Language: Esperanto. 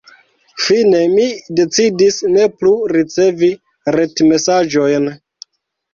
Fine mi decidis ne plu ricevi retmesaĝojn.